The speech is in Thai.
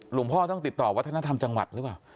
หลวงพ่อต้องติดต่อวัฒนธรรมจังหวัดหรือเปล่า